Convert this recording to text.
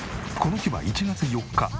この日は１月４日。